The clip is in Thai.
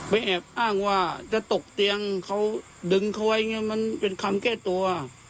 ไปแอบอ้างว่าจะตกเตียงเขาดึงเค้าไว้เป็นคำแก้ตัว